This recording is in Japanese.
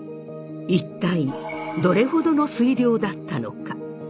一体どれほどの水量だったのか？